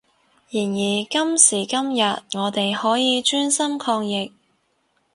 然而今時今日我哋可以專心抗疫